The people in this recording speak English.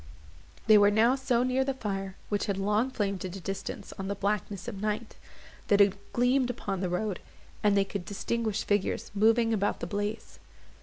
They were now so near the fire, which had long flamed at a distance on the blackness of night, that it gleamed upon the road, and they could distinguish figures moving about the blaze.